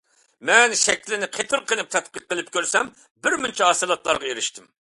مەن شەكىلنى قېتىرقىنىپ تەتقىق قىلىپ كۆرسەم بىرمۇنچە ھاسىلاتلارغا ئېرىشتىم.